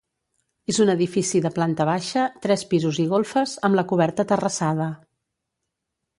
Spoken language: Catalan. És un edifici de planta baixa, tres pisos i golfes, amb la coberta terrassada.